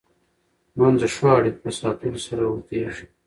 ژوند د ښو اړیکو په ساتلو سره اوږدېږي.